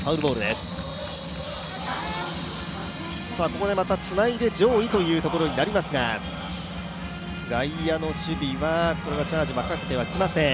ここでまたつないで上位というところになりますが、外野の守備はチャージはかけてきません。